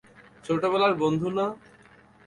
ছোটবেলার বন্ধু না?